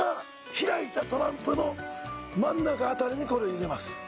開いたトランプの真ん中辺りにこれを入れます